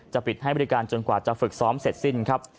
ปิดให้บริการจนกว่าจะฝึกซ้อมเสร็จสิ้นครับ